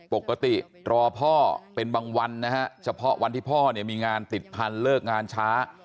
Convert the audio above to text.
ปกติรอพ่อเป็นบางวันนะฮะเฉพาะวันที่พ่อเนี่ยมีงานติดพันธุเลิกงานช้า